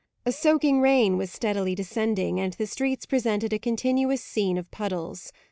A soaking rain was steadily descending, and the streets presented a continuous scene of puddles.